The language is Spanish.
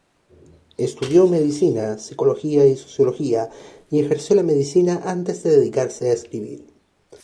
Estudió medicina, psicología y sociología, y ejerció la medicina antes de dedicarse a escribir.